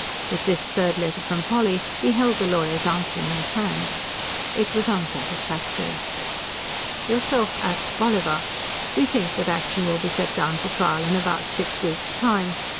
With this third letter from Polly, he held the lawyer's answer in his hand. It was unsatisfactory. YOURSELF ATS. BOLLIVER. WE THINK THAT ACTION WILL BE SET DOWN FOR TRIAL IN ABOUT SIX WEEKS' TIME.